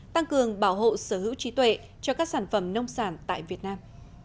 tăng cường bảo hộ sở hữu trí tuệ cho các sản phẩm nông sản tại việt nam